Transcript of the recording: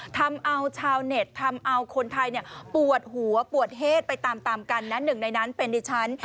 ทำเอาชาวเน็ตทำเอาคนไทยปวดหัวปวดเทศไปตามตามกันนะหนึ่งในนั้นเป็นดิฉัน